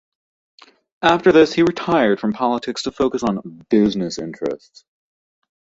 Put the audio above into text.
After this he retired from politics to focus on business interests.